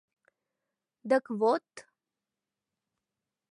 Дык вот...